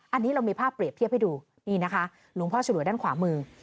อันนี้เรามีภาพเปรียบเทียบให้ดูนี่นะคะหลวงพ่อฉลวยด้านขวามือ